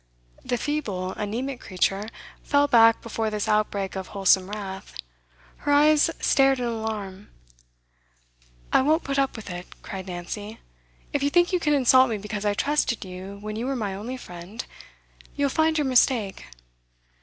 The feeble anaemic creature fell back before this outbreak of wholesome wrath; her eyes stared in alarm. 'I won't put up with it,' cried Nancy. 'If you think you can insult me because I trusted you when you were my only friend, you'll find your mistake.